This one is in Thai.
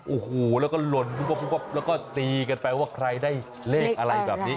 โอ้โหแล้วก็หล่นปุ๊บแล้วก็ตีกันไปว่าใครได้เลขอะไรแบบนี้